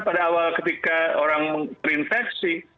pada awal ketika orang terinfeksi